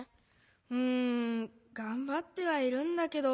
うんがんばってはいるんだけど。